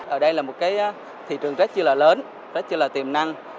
ở đây là một cái thị trường rất là lớn rất là tiềm năng